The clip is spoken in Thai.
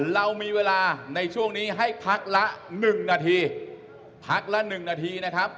เรามีเวลาในช่วงนี้ให้พักละ๑นาทีพักละ๑นาทีนะครับ